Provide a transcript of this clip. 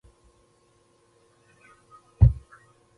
د ګوبک لي فرهنګي مرکز د لومړنیو غنمو له اهلي کولو سره تړاو لري.